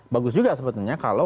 bagus juga sebetulnya kalau